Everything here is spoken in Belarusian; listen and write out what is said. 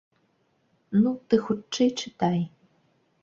Ну, ты хутчэй чытай.